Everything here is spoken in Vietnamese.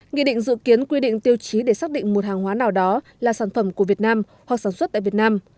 nghị định dự kiến quy định tiêu chí để xác định một hàng hóa nào đó là sản phẩm của việt nam hoặc sản xuất tại việt nam